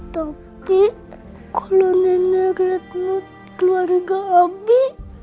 tapi kalau nenek redmu keluarga abi